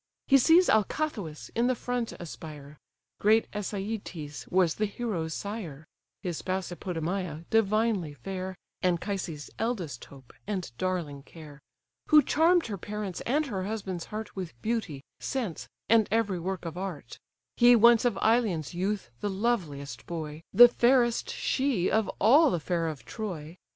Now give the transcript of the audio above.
He sees Alcathous in the front aspire: Great Æsyetes was the hero's sire; His spouse Hippodame, divinely fair, Anchises' eldest hope, and darling care: Who charm'd her parents' and her husband's heart With beauty, sense, and every work of art: He once of Ilion's youth the loveliest boy, The fairest she of all the fair of Troy.